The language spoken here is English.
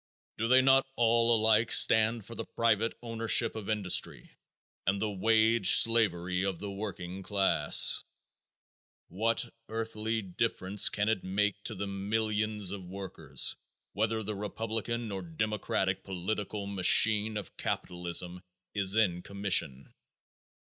Do they not all alike stand for the private ownership of industry and the wage slavery of the working class? What earthly difference can it make to the millions of workers whether the Republican or Democratic political machine of capitalism is in commission?